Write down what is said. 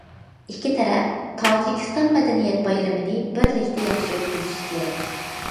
ئىككى تەرەپ تاجىكىستان مەدەنىيەت بايرىمىنى بىرلىكتە ياخشى ئۆتكۈزۈشى كېرەك.